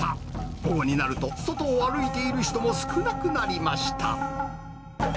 午後になると、外を歩いている人も少なくなりました。